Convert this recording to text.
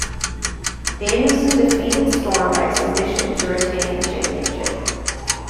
Danielson defeated Storm by submission to retain the championship.